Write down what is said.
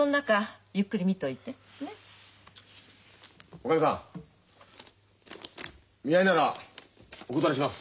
おかみさん見合いならお断りします。